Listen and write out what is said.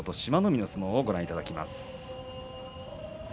海の相撲をご覧いただきます。